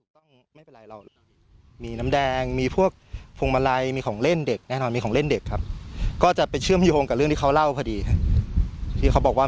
รอบเข้ามาถ่ายซะมากกว่า